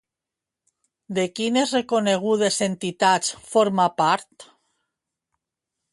De quines reconegudes entitats forma part?